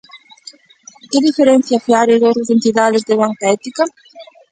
Que diferencia Fiare doutras entidades de banca ética?